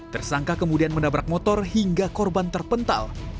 tersangka kemudian menabrak motor hingga korban terpental